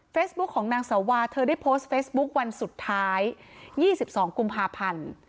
ของนางสาวาเธอได้โพสต์เฟซบุ๊ควันสุดท้าย๒๒กุมภาพันธ์